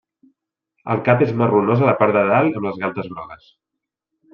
El cap és marronós a la part de dalt i amb les galtes grogues.